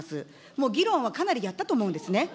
もう議論はかなりやったと思うんですね。